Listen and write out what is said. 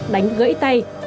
đánh gãy tay